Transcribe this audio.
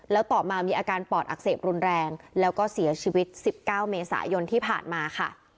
แล้วต่อมามีอาการปอดอักเสบรุนแรงแล้วก็เสียชีวิต๑๙เมษายนที่ผ่านมาค่ะ